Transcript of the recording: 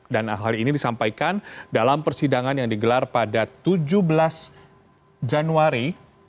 dan hal ini disampaikan dalam persidangan yang digelar pada tujuh belas januari dua ribu dua puluh tiga